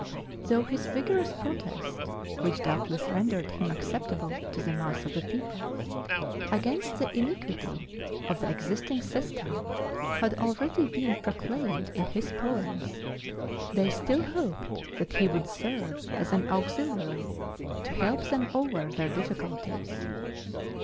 Though his vigorous protest which doubtless rendered him acceptable to the mass of the people against the iniquity of the existing system had already been proclaimed in his poems, they still hoped that he would serve as an auxiliary to help them over their difficulties.